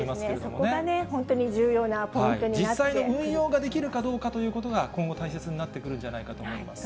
そこがね、本当に重要なポイ実際の運用ができるかどうかということが、今後、大切になってくるのではないかと思います。